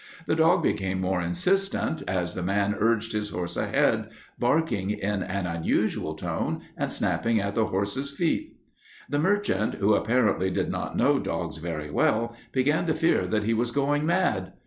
The dog became more insistent, as the man urged his horse ahead, barking in an unusual tone and snapping at the horse's feet. "The merchant, who apparently did not know dogs very well, began to fear that he was going mad.